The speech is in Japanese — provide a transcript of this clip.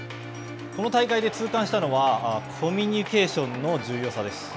この大会で痛感したのはコミュニケーションの重要さです。